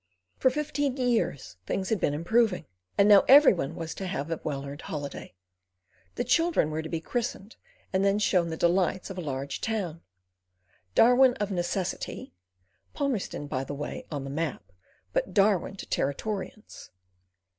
For fifteen years things had been improving, and now everyone was to have a well earned holiday. The children were to be christened and then shown the delights of a large town! Darwin of necessity (Palmerston, by the way, on the map, but Darwin to Territorians).